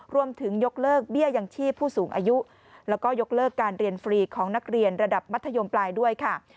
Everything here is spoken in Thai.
รวมถึงยกเลิกเบี้ยยังชีพผู้สูงอายุแล้วก็ยกเลิกการเรียนฟรีของนักเรียนระดับมัธยมปลายด้วยค่ะ